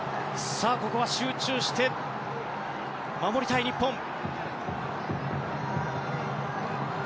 さあここは集中して守りたい日本。